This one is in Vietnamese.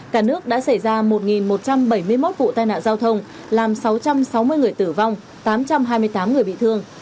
cả nước đã xảy ra một một trăm bảy mươi một vụ tai nạn giao thông làm sáu trăm sáu mươi người tử vong tám trăm hai mươi tám người bị thương